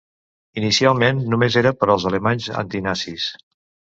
Inicialment només era per als alemanys antinazis.